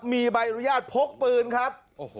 มีใบอนุญาตพกปืนครับ